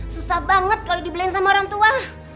susah banget kalau dibeliin sama orang tua